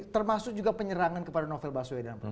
termasuk juga penyerangan kepada novel baswedan